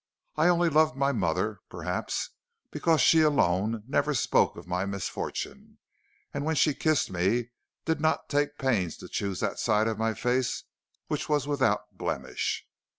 I only loved my mother; perhaps, because she alone never spoke of my misfortune, and when she kissed me did not take pains to choose that side of my face which was without blemish.